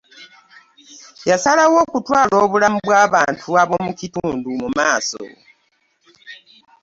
Yasalawo okutwala obulamu bw'abantu ab'omu kitundu mu maaso.